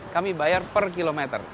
kami bayar per kilometer